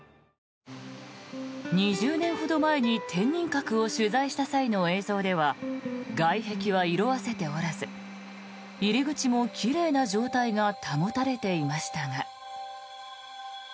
２０年ほど前に天人閣を取材した際の映像では外壁は色あせておらず入り口も奇麗な状態が保たれていましたが。